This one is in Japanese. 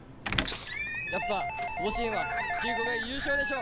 やっぱ、甲子園は九国が優勝でしょ。